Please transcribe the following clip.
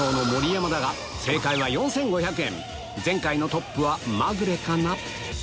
前回のトップはまぐれかな？